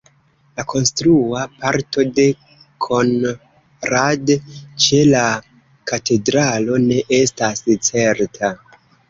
La konstrua parto de Konrad ĉe la katedralo ne estas certa.